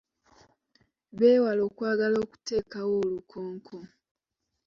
Beewale okwagala okuteekawo olukonko.